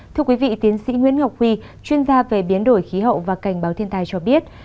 thưa quý vị tiến sĩ nguyễn ngọc huy chuyên gia về biến đổi khí hậu và cảnh báo thiên tai cho biết